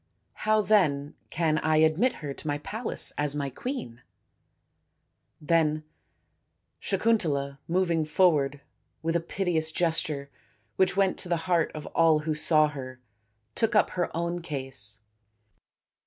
How then can I admit her to my palace as my queen ?" Then Sakuntala, moving forward with a piteous gesture which went to the heart of all who saw her, took up her own case.